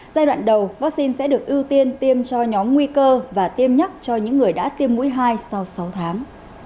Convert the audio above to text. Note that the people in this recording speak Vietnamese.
giai đoạn đầu vaccine sẽ được ưu tiên tiêm cho nhóm nguy cơ và tiêm nhắc cho những người đã tiêm mũi hai sau sáu tháng